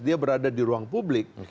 dia berada di ruang publik